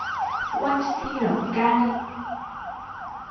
溫思勞街